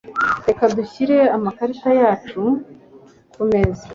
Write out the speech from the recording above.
Reka dushyire amakarita yacu kumeza.